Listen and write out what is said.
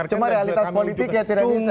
cuma realitas politiknya tidak bisa